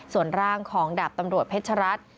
ส่วนร่างของดาบตำรวจเพชรัตน์